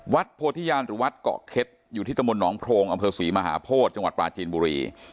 โพธิญาณหรือวัดเกาะเข็ดอยู่ที่ตะมนตหนองโพรงอำเภอศรีมหาโพธิจังหวัดปลาจีนบุรี